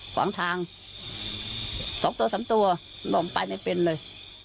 ฟังทางสองตัวสามตัวมันลองไปไม่เป็นเลย